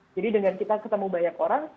jadi dengan kita ketemu banyak orang